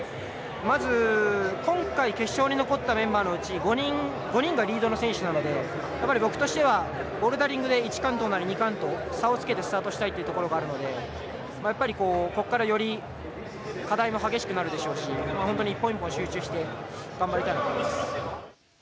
まず、今回、決勝に残ったメンバーのうち５人がリードの選手なので僕としてはボルダリングで１完登なり、２完登なり差をつけてスタートしたいというところがあるのでここから、より課題も激しくなるでしょうし一本一本、集中して頑張りたいと思います。